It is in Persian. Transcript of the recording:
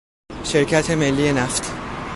شرکت ملی نفت